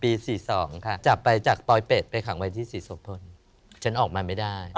๔๒ค่ะจับไปจากปลอยเป็ดไปขังไว้ที่ศรีโสพลฉันออกมาไม่ได้